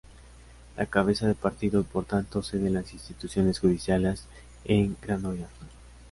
La cabeza de partido y por tanto sede de las instituciones judiciales es Granollers.